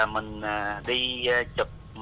mình đi chụp